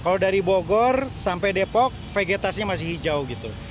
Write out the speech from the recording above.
kalau dari bogor sampai depok vegetasinya masih hijau gitu